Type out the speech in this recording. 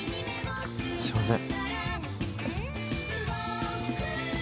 すいません。